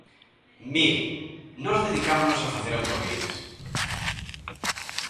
Mire, nós dedicámonos a facer autovías.